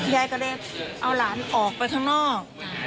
ยายก็เลยเอาหลานออกไปข้างนอก